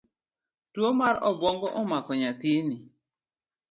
Tuo mar obuongo omako nyathini